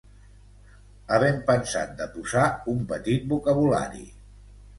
havem pensat de posar un petit vocabulari